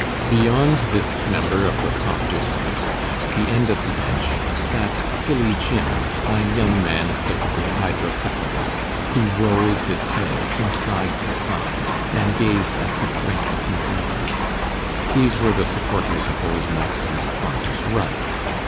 Beyond this member of the softer sex, at the end of the bench, sat 'Silly Jim', a young man afflicted with hydrocephalus, who rolled his head from side to side, and gazed at the point of his nose. These were the supporters of Old Maxum on his right.